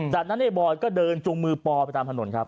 จากนั้นในบอยก็เดินจุงมือปอไปตามถนนครับ